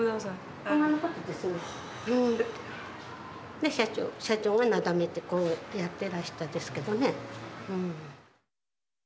で社長がなだめてこうやってらしたですけどね。